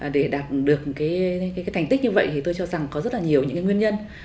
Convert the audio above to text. để đạt được thành tích như vậy tôi cho rằng có rất nhiều nguyên nhân